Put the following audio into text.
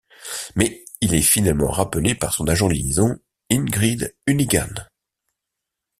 Mais il est finalement rappelé par son agent de liaison, Ingrid Hunnigan.